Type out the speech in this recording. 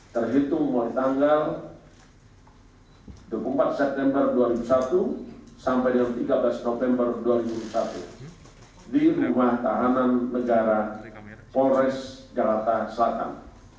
terhitung mulai tanggal dua puluh empat september dua ribu satu sampai dengan tiga belas november dua ribu dua puluh di rumah tahanan negara polres jakarta selatan